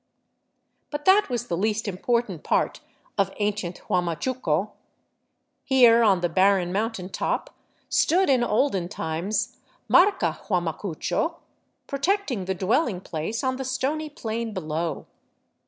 But that was the least important part of ancient Huamachuco. Here on the barren mountain top stood in olden times Marca Huamachuco, protecting the dwelling place on the stony plain below.